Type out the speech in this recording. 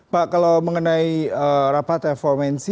pak kalau mengenai rapat fomc